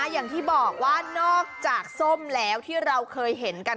อย่างที่บอกว่านอกจากส้มแล้วที่เราเคยเห็นกัน